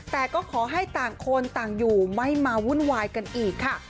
แต่ก็ขอให้ต่างคนต่างอยู่ไม่มาวุ่นวายกันอีกค่ะ